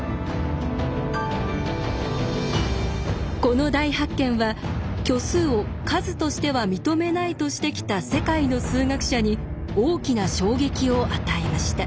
この大発見は虚数を数としては認めないとしてきた世界の数学者に大きな衝撃を与えました。